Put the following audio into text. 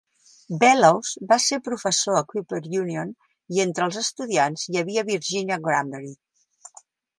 Bellows va ser professor a Cooper Union, i entre els estudiants hi havia Virginia Granbery.